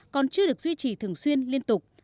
còn chưa được duy trì thường xuyên liên tục